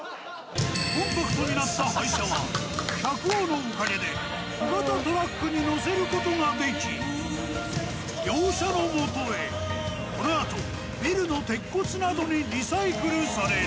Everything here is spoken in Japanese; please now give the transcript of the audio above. コンパクトになった廃車は百王のおかげで小型トラックに載せることができ業者のもとへこのあとビルの鉄骨などにリサイクルされる